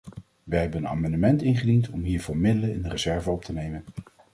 Wij hebben een amendement ingediend om hiervoor middelen in de reserve op te nemen.